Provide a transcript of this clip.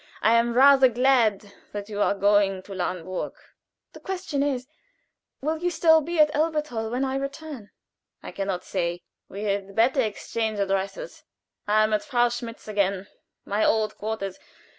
I am rather glad that you are going to Lahnburg." "The question is will you still be at Elberthal when I return?" "I can not say. We had better exchange addresses. I am at Frau Schmidt's again my old quarters.